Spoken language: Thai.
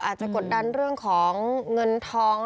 อาจจะกดดันเรื่องของเงินท้อง